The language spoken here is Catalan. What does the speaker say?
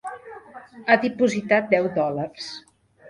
Ha dipositat deu dòlars.